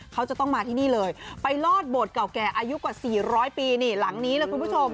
เขาจะต้องมาที่นี่เลยไปลอดโบสถเก่าแก่อายุกว่า๔๐๐ปีนี่หลังนี้เลยคุณผู้ชม